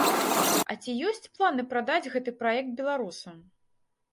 А ці ёсць планы прадаць гэты праект беларусам?